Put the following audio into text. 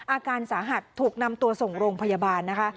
อาการสาหัสถูกนำตัวส่งโรงพยาบาลนะคะ